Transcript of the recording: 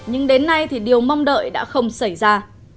nhưng đến nay thì điều mong đợi đã không xảy ra